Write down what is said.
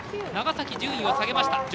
長崎、順位を下げました。